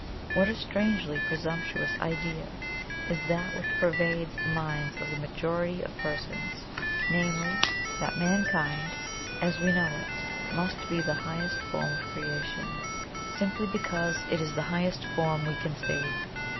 What a strangely presumptuous idea is that which pervades the minds of the majority of persons namely, that Mankind, as we know it, must be the highest form of creation, simply because it is the highest form WE can see!